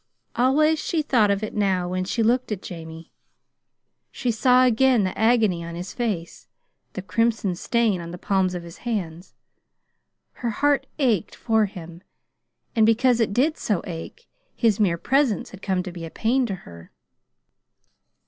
Always she thought of it now when she looked at Jamie. She saw again the agony on his face, the crimson stain on the palms of his hands. Her heart ached for him, and because it did so ache, his mere presence had come to be a pain to her.